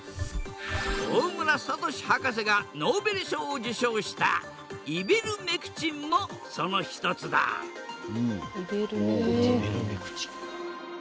大村智博士がノーベル賞を受賞したイベルメクチンもその一つだへえ。